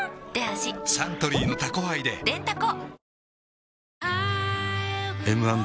サントリーの「タコハイ」ででんタコ